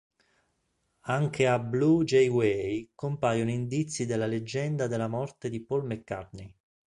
Anche a "Blue Jay Way" compaiono indizi della Leggenda della morte di Paul McCartney.